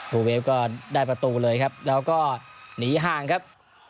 ลูเวฟก็ได้ประตูเลยครับแล้วก็หนีห่างครับ